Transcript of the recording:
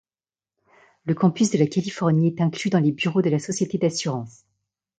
Le campus de la Californie est inclus dans les bureaux de la société d'assurance.